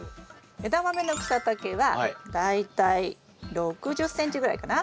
エダマメの草丈は大体６０ｃｍぐらいかな。